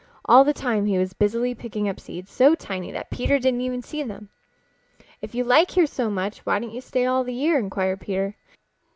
All the time he was busily picking up seeds so tiny that Peter didn't even see them. "If you like here so much why don't you stay all the year?" inquired Peter.